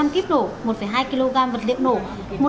một năm kíp nổ một hai kg vật liệu nổ